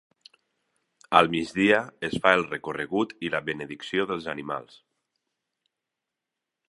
Al migdia es fa el recorregut i la benedicció dels animals.